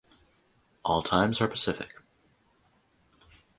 All times are Pacific.